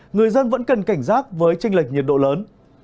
người dân vẫn cần cảnh giác với tranh lệch nhiệt độ lớn